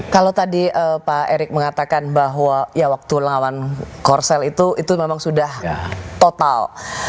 kalau tadi pak erick mengatakan bahwa ya waktu lawan korsel itu itu memang sudah total